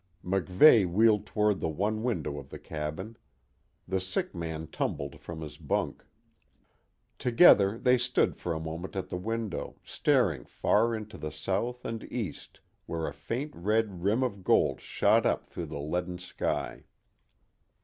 MacVeigh wheeled toward the one window of the cabin. The sick man tumbled from his bunk. Together they stood for a moment at the window, staring far to the south and east, where a faint red rim of gold shot up through the leaden sky.